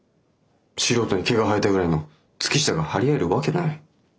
素人に毛が生えたぐらいの月下が張り合えるわけない。